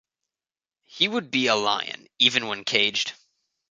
He would be a lion even when caged.